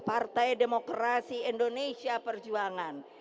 partai demokrasi indonesia perjuangan